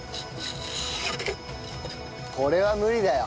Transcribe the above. これは無理だよ。